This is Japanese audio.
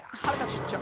ちっちゃ。